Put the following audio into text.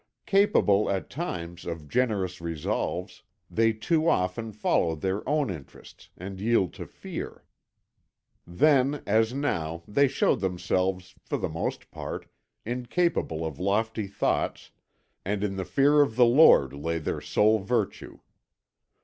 Capable, at times, of generous resolves, they too often follow their own interests and yield to fear. Then, as now, they showed themselves, for the most part, incapable of lofty thoughts, and in the fear of the Lord lay their sole virtue.